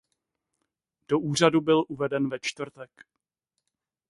Do úřadu byl uveden ve čtvrtek.